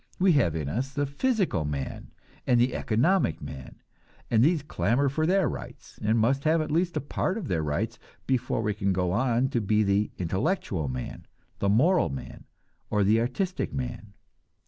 We have in us the physical man and the economic man, and these clamor for their rights, and must have at least a part of their rights, before we can go on to be the intellectual man, the moral man, or the artistic man.